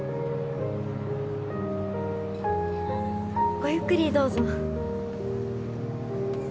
ごゆっくりどうぞ。